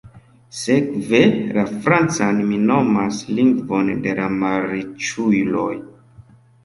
Sekve, la francan mi nomas “lingvon de la malriĉuloj“.